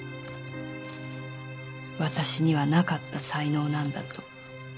私にはなかった才能なんだと。